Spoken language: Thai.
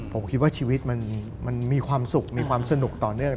ผมคิดว่าชีวิตมันมีความสุขมีความสนุกต่อเนื่อง